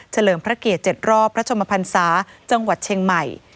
เฉลิมพระเกียรติเจ็ดรอบพระชมพันธ์ศาสตร์จังหวัดเชียงใหม่